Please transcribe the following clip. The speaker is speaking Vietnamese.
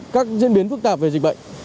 các diễn biến phức tạp về dịch bệnh